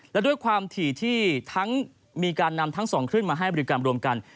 และด้วยความถี่ที่ทั้งมีการนำทั้งสองขึ้นมาให้บริการรวมกัน